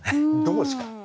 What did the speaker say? どうですか？